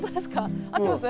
合ってます？